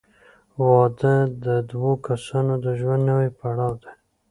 • واده د دوه کسانو د ژوند نوی پړاو دی.